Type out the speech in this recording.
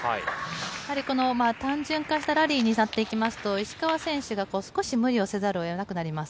やはり単純化したラリーになっていきますと、石川選手が少し無理をせざるをえなくなります。